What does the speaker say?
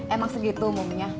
emang segitu umumnya